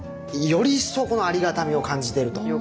より一層このありがたみを感じてると。